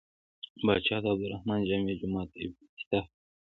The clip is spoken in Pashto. پاچا د عبدالرحمن جامع جومات افتتاح کړ.